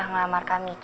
karena udah kaget